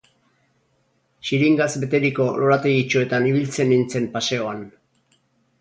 Xiringaz beteriko lorategitxoetan ibiltzen nintzen paseoan.